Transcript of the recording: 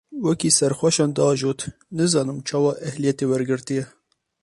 Wekî serxweşan diajot, nizanim çawa ehliyetê wergirtiye.